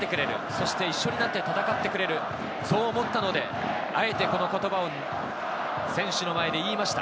そして一緒になって戦ってくれる、そう思ったので、あえてこの言葉を選手の前で言いました。